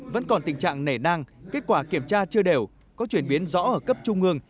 vẫn còn tình trạng nể nang kết quả kiểm tra chưa đều có chuyển biến rõ ở cấp trung ương